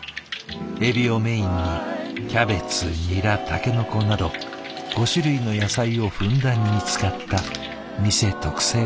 エビをメインにキャベツニラタケノコなど５種類の野菜をふんだんに使った店特製の春巻き。